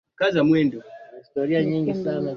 Aidha Mkoa una jumla ya Majimbo kumi ya uchaguzi